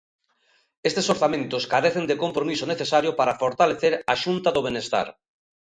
Estes orzamentos carecen de compromiso necesario para fortalecer a Xunta do benestar.